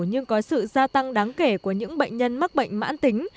nhưng có sự gia tăng đáng kể của những bệnh nhân mắc bệnh mãn tính